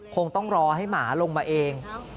คงต้องรอให้หมาลงมาเอง